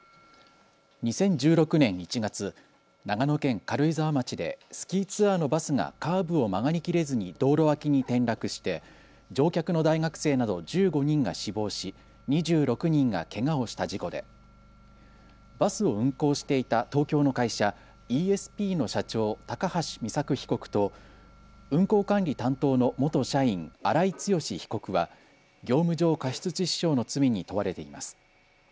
２０１６年１月、長野県軽井沢町でスキーツアーのバスがカーブを曲がりきれずに道路脇に転落して乗客の大学生など１５人が死亡し２６人がけがをした事故でバスを運行していた東京の会社イーエスピーの社長、高橋美作被告と運行管理担当の元社員荒井強被告は業務上過失致死傷の罪に問われています。